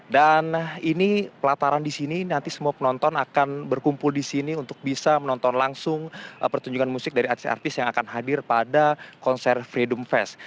dan ini pelataran di sini nanti semua penonton akan berkumpul di sini untuk bisa menonton langsung pertunjukan musik dari artis artis yang akan hadir pada konser v dome fest